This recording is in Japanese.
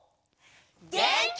げんき！